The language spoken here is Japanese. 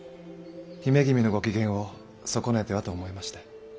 姫君のご機嫌を損ねてはと思いまして。